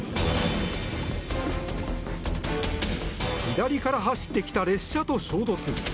左から走ってきた列車と衝突。